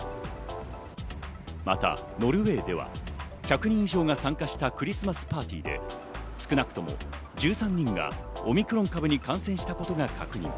またノルウェーでは、１００人以上が参加したクリスマスパーティーで少なくとも１３人がオミクロン株に感染したことが確認。